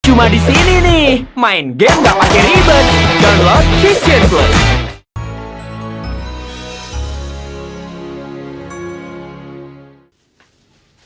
cuma disini nih main game gak pake ribet download vision plus